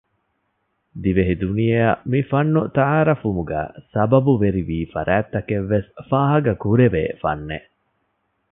ދިވެހި ދުނިޔެއަށް މިފަންނު ތަޢާރުފްވުމުގައި ސަބަބުވެރިވީ ފަރާތްތަކެއްވެސް ފާހަގަކުރެވޭ ފަންނެއް